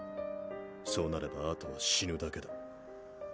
そうなれば後は死ぬだけだ。